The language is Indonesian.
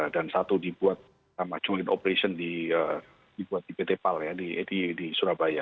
dan satu dibuat sama joint operation dibuat di pt pal ya di surabaya